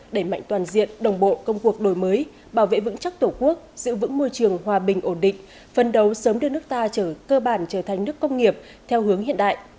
đẩy mạnh toàn diện đồng bộ công cuộc đổi mới bảo vệ vững chắc tổ quốc giữ vững môi trường hòa bình ổn định phân đấu sớm đưa nước ta cơ bản trở thành nước công nghiệp theo hướng hiện đại